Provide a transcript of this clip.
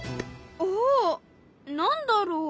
お何だろう？